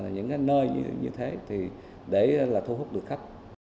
những cái nơi như thế thì để thu hút được khách